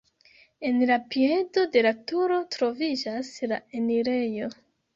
En la piedo de la turo troviĝas la enirejo.